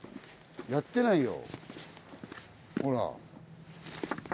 やってないよほら。